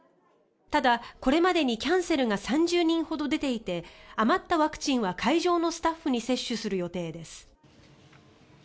ただ、これまでにキャンセルが３０人ほど出ていて余ったワクチンは会場のスタッフに接種する予定です。